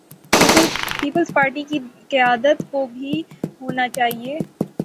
Peoples Party کی قیادت کو بھی ہونا چاہیے۔